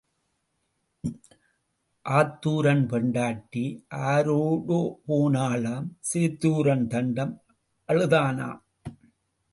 ஆத்தூரான் பெண்டாட்டி ஆரோடோ போனாளாம் சேத்தூரான் தண்டம் அழுதானாம்.